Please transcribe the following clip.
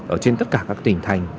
ở trên tất cả các tỉnh thành